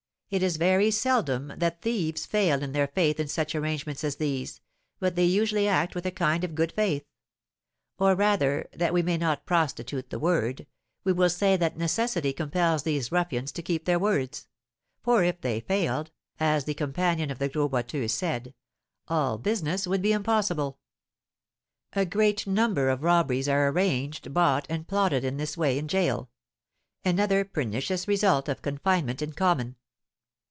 It is very seldom that thieves fail in their faith in such arrangements as these, but they usually act with a kind of good faith, or, rather, that we may not prostitute the word, we will say that necessity compels these ruffians to keep their words; for if they failed, as the companion of the Gros Boiteux said, "All business would be impossible." A great number of robberies are arranged, bought, and plotted in this way in gaol, another pernicious result of confinement in common.